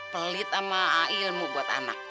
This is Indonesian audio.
pelit sama ilmu buat anak